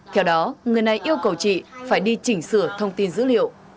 theo đó người này yêu cầu chị phải đi chỉnh sửa thông tin dữ liệu